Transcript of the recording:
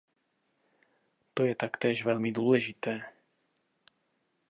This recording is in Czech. To je taktéž velmi důležité.